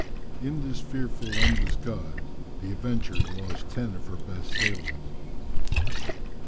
In this fearful ambuscade the Adventure lost ten of her best sailors.